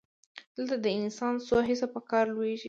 دلته د انسان څو حسه په کار لویږي.